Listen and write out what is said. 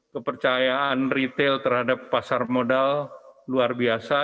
kepercayaan retail terhadap pasar modal luar biasa